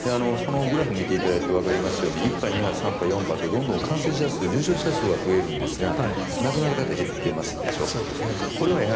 そのグラフを見ていただいてわかりますように１波、２波、３波、４波とどんどん感染者数、重症者数は増えるんですが亡くなる方は減っていますでしょ。